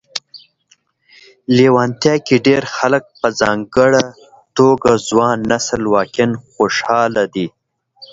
لیتوانیا کې ډېر خلک په ځانګړي توګه ځوان نسل واقعا خوشاله دي